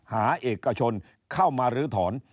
เอกชนเข้ามาลื้อถอน